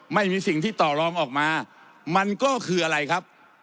ไม่มีสิ่งที่ต่อรองออกมามันก็คืออะไรครับ